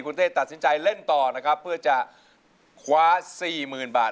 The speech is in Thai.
คุณเต้ตัดสินใจเล่นต่อนะครับเพื่อจะคว้าสี่หมื่นบาท